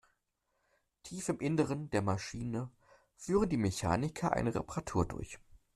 Tief im Innern der Maschine führen die Mechaniker eine Reparatur durch.